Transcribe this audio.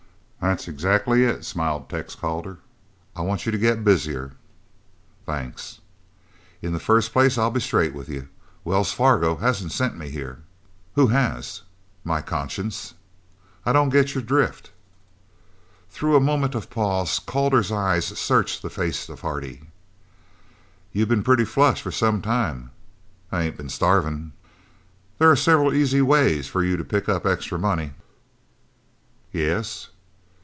"That's exactly it," smiled Tex Calder, "I want you to get busier." "Thanks." "In the first place I'll be straight with you. Wells Fargo hasn't sent me here." "Who has?" "My conscience." "I don't get your drift." Through a moment of pause Calder's eyes searched the face of Hardy. "You've been pretty flush for some time." "I ain't been starvin'." "There are several easy ways for you to pick up extra money." "Yes?"